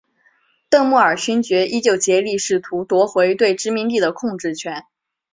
邓莫尔勋爵依旧竭力试图夺回对殖民地的控制权。